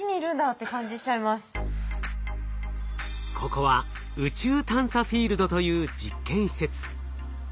ここは宇宙探査フィールドという実験施設。